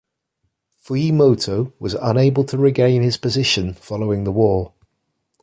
Fujimoto was unable to regain his position following the war.